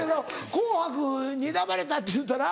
『紅白』に選ばれたって言うたら。